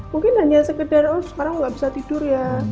mungkin hanya sekedar oh sekarang nggak bisa tidur ya